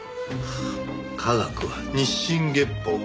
科学は日進月歩。